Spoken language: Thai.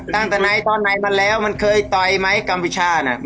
ตั้งแต่ถ้าไงเรามันแล้วมันเคยต่อไหมกรสภาษณภาคนครับ